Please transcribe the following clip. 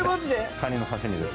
カニの刺身です。